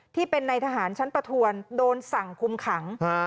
ที่เป็นในทหารชั้นประทวนโดนสั่งคุมขัง